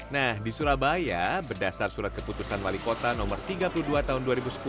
nah di surabaya berdasar surat keputusan wali kota no tiga puluh dua tahun dua ribu sepuluh